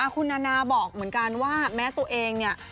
คุณนานาบอกเหมือนกันว่าแม้ตัวเองเนี่ย